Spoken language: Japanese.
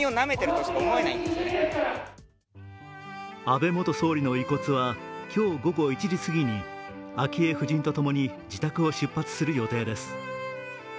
安倍元総理の遺骨は今日午後１時すぎに昭恵夫人と共に自宅を出発する予定です。